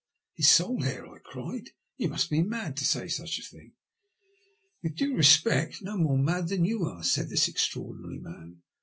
" His sole heir ?" I cried. " You must be mad to say such a thing." " With due respect, no more mad than you are," said this extraordinary man.